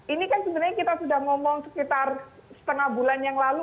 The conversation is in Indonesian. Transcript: ini kan sebenarnya kita sudah ngomong sekitar setengah bulan yang lalu